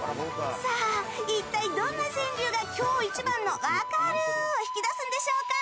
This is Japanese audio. さあ、一体どんな川柳が今日一番の分かる！を引き出すんでしょうか。